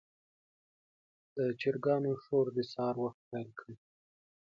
د چرګانو شور د سهار وخت پیل کړ.